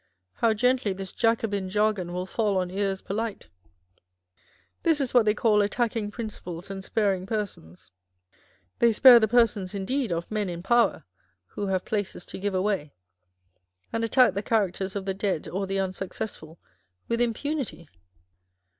How gently this Jacobin jargon will fall on ears polite ! This is what they call attacking principles and sparing persons : they spare the persons indeed of men in power (who have places to give away), and attack the characters of the dead or the unsuccessful with impunity